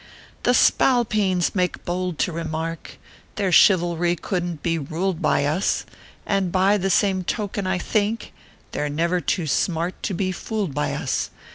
" The spalpeens make bould to remark Their chivalry couldn t be ruled by us ; And by the same token I think They re never too smart to bo fooled .by us.